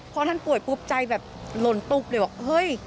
พอท่านป่วยปุ๊บใจแบบหล่นตุ๊บเลยบอกเฮ้ย